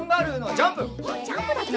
ジャンプだって。